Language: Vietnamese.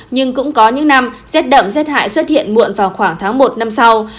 nhưng cũng có những năm rét đậm rét hại xuất hiện muộn vào khoảng tháng một năm sau